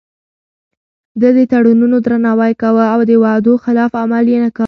ده د تړونونو درناوی کاوه او د وعدو خلاف عمل يې نه کاوه.